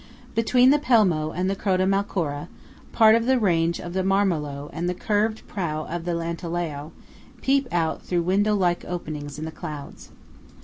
Between the Pelmo and the Croda Malcora, part of the range of the Marmarole, and the curved prow of the Antelao, peep out through window like openings in the clouds.